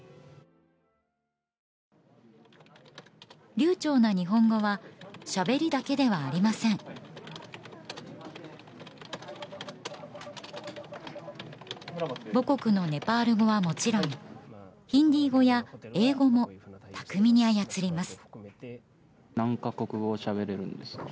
流ちょうな日本語はしゃべりだけではありません母国のネパール語はもちろんヒンディー語や英語も巧みに操ります